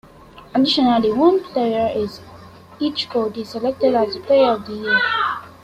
Additionally, one player in each code is selected as Player of the Year.